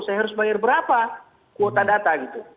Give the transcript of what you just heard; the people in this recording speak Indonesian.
saya harus bayar berapa kuota data gitu